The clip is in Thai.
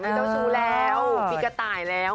ไม่ถ้าสู้แล้วปิ๊กต่ายแล้ว